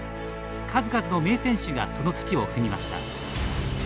数々の名選手がその土を踏みました。